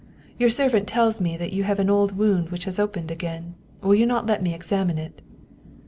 Your servant tells me that you have an old wound which has opened again. Will you not let me examine it?"